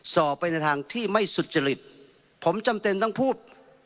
สอบไปในทางที่ไม่สุจริตผมจำเป็นต้องพูด